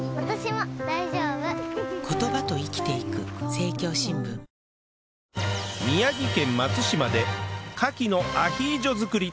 三井不動産宮城県松島でカキのアヒージョ作り！